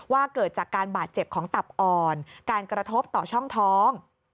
เกิดจากการบาดเจ็บของตับอ่อนการกระทบต่อช่องท้อง